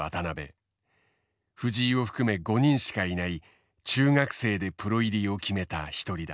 藤井を含め５人しかいない中学生でプロ入りを決めた一人だ。